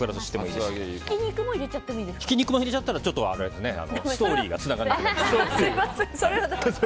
ひき肉も入れちゃったらちょっとストーリーがつながらなくなりますね。